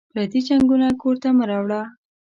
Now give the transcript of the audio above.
پردي جنګونه کور ته مه راوړه